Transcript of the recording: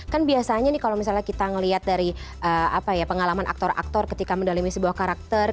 kan biasanya nih kalau misalnya kita melihat dari pengalaman aktor aktor ketika mendalami sebuah karakter